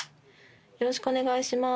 よろしくお願いします。